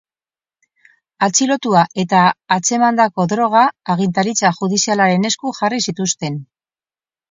Atxilotua eta atzemandako droga agintaritza judizialaren esku jarri zituzten.